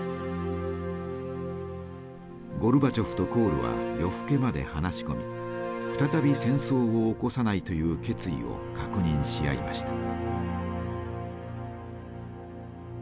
ゴルバチョフとコールは夜更けまで話し込み再び戦争を起こさないという決意を確認し合いました。